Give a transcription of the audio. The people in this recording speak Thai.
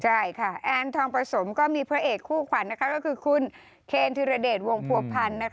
ใช่ค่ะแอนทองประสมก็มีพระเอกคู่ขวัญก็คือคุณเคนธิรเดชวงผัวพันธ์